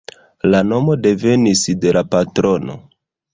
La nomo devenis de la patrono.